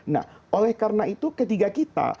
nah oleh karena itu ketiga kita